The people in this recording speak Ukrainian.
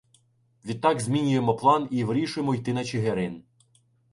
Відтак змінюємо план і вирішуємо йти на Чигирин.